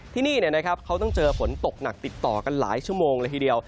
ที่นี่เนี่ยนะครับเขาต้องเจอผลตกหนักติดต่อกันหลายชั่วโมงละทีเดียว